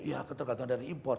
ya tergantung dari import